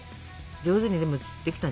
上手にでもできたんじゃない？